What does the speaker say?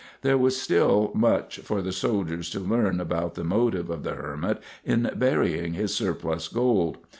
There was still much for the soldiers to learn about the motive of the hermit in burying his surplus gold.